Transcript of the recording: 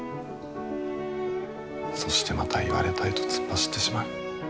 そしてまた言われたいと突っ走ってしまう。